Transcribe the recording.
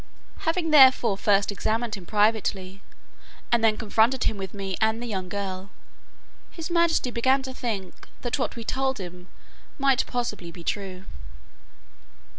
Having therefore first examined him privately, and then confronted him with me and the young girl, his majesty began to think that what we told him might possibly be true.